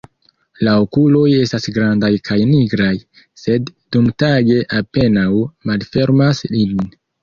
La okuloj estas grandaj kaj nigraj, sed dumtage apenaŭ malfermas ilin.